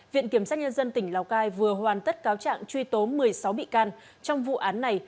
viện kiểm sát nhân dân tỉnh lào cai vừa hoàn tất cáo trạng truy tố một mươi sáu bị can trong vụ án này